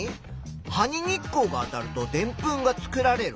「葉に日光が当たるとでんぷんが作られる」。